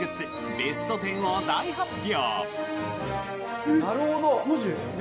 ベスト１０を大発表！